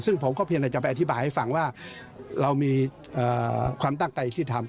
ซึ่งผมก็เพียงแต่จะไปอธิบายให้ฟังว่าเรามีความตั้งใจที่ทำ